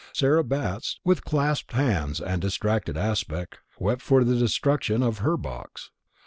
Sarah Batts, with clasped hands and distracted aspect, wept for the destruction of her "box."